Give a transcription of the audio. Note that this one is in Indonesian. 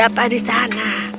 siapa di sana